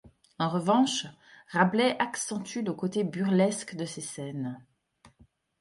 En revanche, Rabelais accentue le côté burlesque de ces scènes.